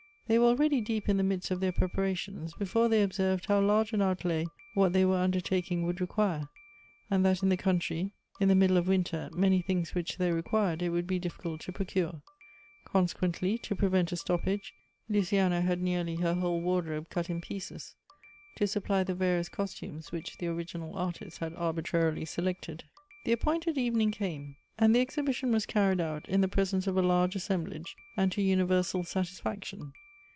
They were already deep in the midst of their preparations, be fore they observed how large an outlay what they were undertaking would require, and that in the country, in 196 Goethb's the middle of winter, many things which they required it would be difficult to procure ; consequently, to prevent a stoppage, Luoiana had nearly her whole wardrobe cut in pieces, to supply the various costumes which the origi nal artist had arbitrarily selected. Tha appointed evening came, and the exhibition was carried out in the presence of a large assemblage, and to universal satisfaction.